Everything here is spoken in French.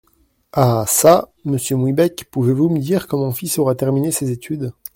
Ah çà ! monsieur Mouillebec, pouvez-vous me dire quand mon fils aura terminé ses études ?